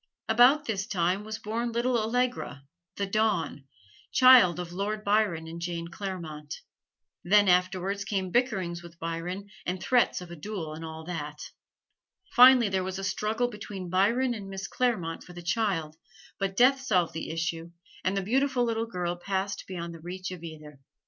About this time was born little Allegra, "the Dawn," child of Lord Byron and Jane Clairmont. Then afterwards came bickerings with Byron and threats of a duel and all that. Finally there was a struggle between Byron and Miss Clairmont for the child: but death solved the issue and the beautiful little girl passed beyond the reach of either.